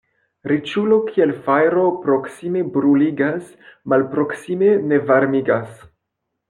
Riĉulo kiel fajro proksime bruligas, malproksime ne varmigas.